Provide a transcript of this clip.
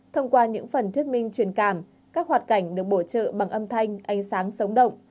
thông qua những phần thuyết minh truyền cảm các hoạt cảnh được bổ trợ bằng âm thanh ánh sáng sống động